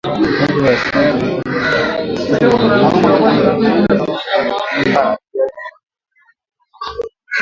Ngombe wa asili wana uwezo mkubwa kustahimili maambukizi ya kupe